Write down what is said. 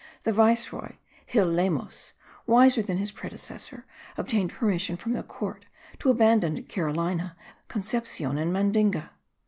The viceroy, Gil Lemos, wiser than his predecessor, obtained permission from the Court to abandon Carolina, Concepcion and Mandinga.